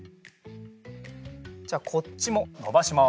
じゃあこっちものばします。